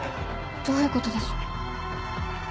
どういうことでしょ？